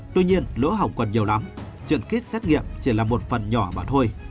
tuy nhiên lỗ hỏng còn nhiều lắm chuyện kit xét nghiệm chỉ là một phần nhỏ mà thôi